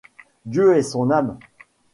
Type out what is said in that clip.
Dieu ait son âme!